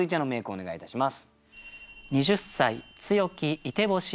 お願いいたします。